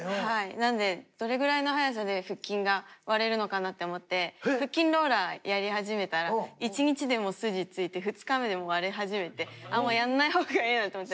なのでどれぐらいの早さで腹筋が割れるのかなって思って腹筋ローラーやり始めたら１日でもう筋ついて２日目でもう割れ始めてもうやんないほうがいいなと思って。